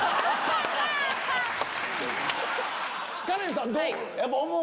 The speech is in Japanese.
カレンさんどう？